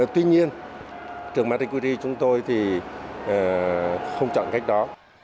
tuy nhiên trường marie curie chúng tôi thì không chọn cách đó